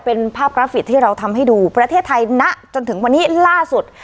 เป็นภาพกราฟิกที่เราทำให้ดูประเทศไทยณจนถึงวันนี้ล่าสุด